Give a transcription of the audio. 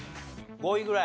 ５位ぐらい。